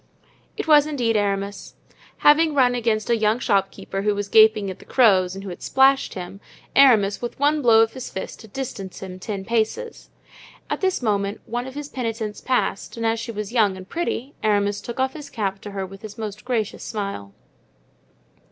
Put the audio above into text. It was indeed Aramis. Having run against a young shopkeeper who was gaping at the crows and who had splashed him, Aramis with one blow of his fist had distanced him ten paces. At this moment one of his penitents passed, and as she was young and pretty Aramis took off his cap to her with his most gracious smile.